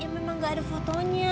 memang gak ada fotonya